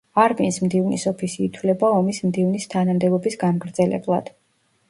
არმიის მდივნის ოფისი ითვლება ომის მდივნის თანამდებობის გამგრძელებლად.